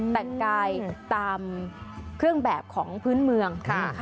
แต่งกายตามเครื่องแบบของพื้นเมือง